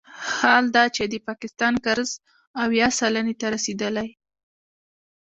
حال دا چې د پاکستان قرضه اویا سلنې ته رسیدلې